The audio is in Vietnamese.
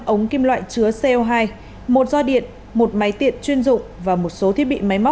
ba trăm sáu mươi năm ống kim loại chứa co hai một do điện một máy tiện chuyên dụng và một số thiết bị máy móc